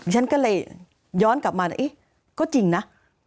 ฉันก็เลยย้อนกลับมาเอ๊ะก็จริงนะ